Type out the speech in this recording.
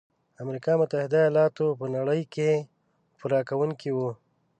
امریکا متحد ایلاتو په نړۍ کې پوره کوونکي وو.